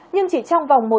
nhưng chỉ trong vòng một năm